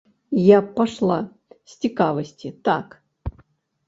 Я б пайшла з цікавасці, так.